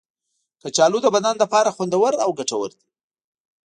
کچالو د بدن لپاره خوندور او ګټور دی.